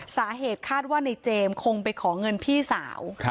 สาเหตุคาดว่าในเจมส์คงไปขอเงินพี่สาว